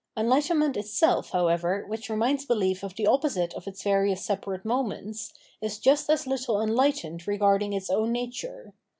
Enlightenment itself, however, which reminds belief of the opposite of its various separate moments, is just as little enlightened regarding its own nature.